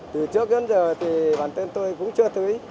từ trước đến giờ thì bản thân tôi cũng chưa thấy